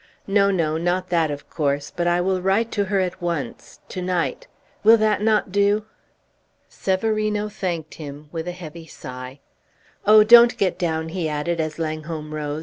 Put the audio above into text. No, no, not that, of course! But I will write to her at once to night! Will that not do?" Severino thanked him, with a heavy sigh. "Oh, don't get down," he added, as Langholm rose.